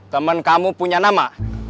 teman kamu punya nama